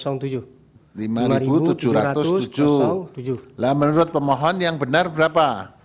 menurut pemohon yang benar berapa